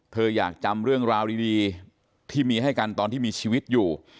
เธออยากจำเรื่องราวดีที่มีให้กันตอนที่มีชีวิตอยู่